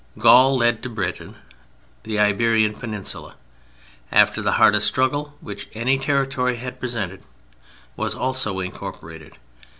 Gaul led to Britain. The Iberian Peninsula, after the hardest struggle which any territory had presented, was also incorporated.